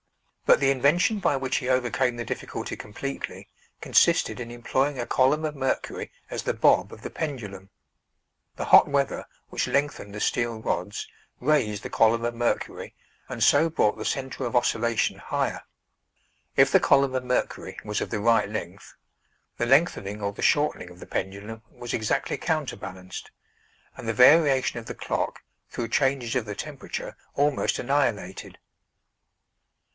But the invention by which he overcame the difficulty completely, consisted in employing a column of mercury as the "bob" of the pendulum. The hot weather, which lengthened the steel rods, raised the column of mercury, and so brought the centre of oscillation higher. If the column of mercury was of the right length, the lengthening or the shortening of the pendulum was exactly counterbalanced, and the variation of the clock, through changes of the temperature, almost annihilated.